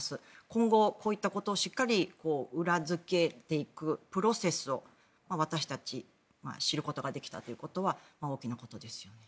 今後、こういったことをしっかり裏付けていくプロセスを私たち知ることができたということは大きなことですよね。